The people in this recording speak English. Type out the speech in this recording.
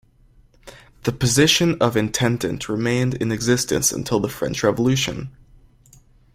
The position of Intendant remained in existence until the French Revolution.